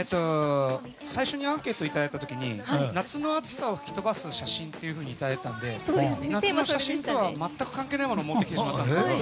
最初にアンケートをいただいた時に夏の暑さを吹き飛ばす写真っていうふうにいただいたので夏の写真とは全く関係ないものを持ってきてしまったんですけど。